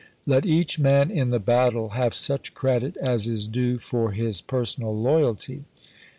Let each man in the battle have such credit as is due for his personal loyalty.